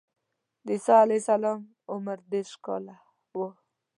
د عیسی علیه السلام عمر دېرش کاله و.